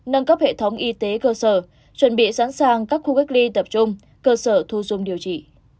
nâng cấp hệ thống y tế cơ sở chuẩn bị sẵn sàng các khu cách ly tập trung cơ sở thu dung điều trị